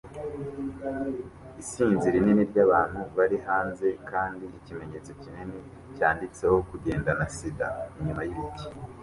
Isinzi rinini ryabantu bari hanze kandi ikimenyetso kinini cyanditseho "KUGENDANA SIDA" inyuma yibiti